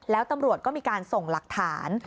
แล้วตำรวจก็มีการส่งหลักฐาน